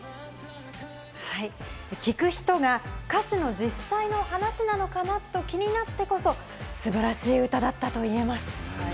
聴く人が歌手の実際の話なのかな？と気になってこそ素晴らしい歌だったと言えます。